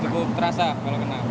cukup terasa kalau kena